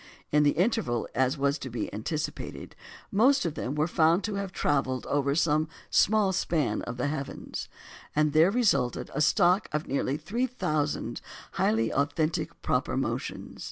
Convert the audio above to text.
In the interval, as was to be anticipated, most of them were found to have travelled over some small span of the heavens, and there resulted a stock of nearly three thousand highly authentic proper motions.